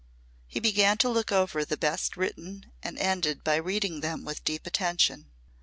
He began to look over the best written and ended by reading them with deep attention.